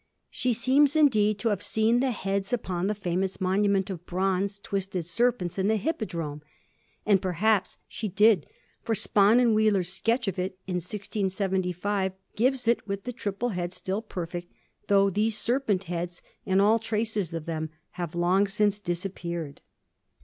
She seems, indeed, to have seen the heads upon the famous monument of bronze twisted serpents in the Hippodrome ; and perhaps she did, for Spon and Wheler's sketch of it in 1675 gives it with the triple heads still perfect, though these serpent heads, and all traces of them, have long since disappeared.